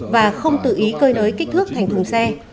và không tự ý cơi nới kích thước thành thùng xe